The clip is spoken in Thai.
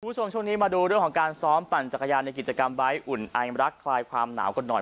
คุณผู้ชมช่วงนี้มาดูเรื่องของการซ้อมปั่นจักรยานในกิจกรรมใบ้อุ่นไอรักคลายความหนาวกันหน่อย